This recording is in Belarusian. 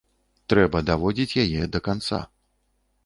Трэба даводзіць яе да канца.